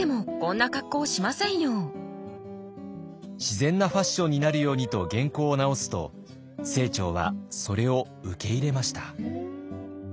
自然なファッションになるようにと原稿を直すと清張はそれを受け入れました。